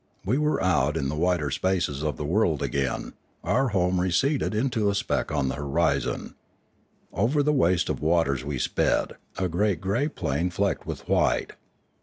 We were out in the wider spaces of the world again, and our home receded into a speck on the hori zon. Over the waste of waters we sped, a great grey plain flecked with white.